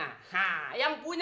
juragan petek yang kagak ada duanya